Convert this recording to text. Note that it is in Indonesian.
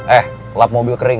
eh lap mobil kering